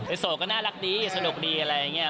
โสดก็น่ารักดีสนุกดีอะไรอย่างนี้